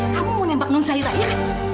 kamu mau nembak nong zairah iya kan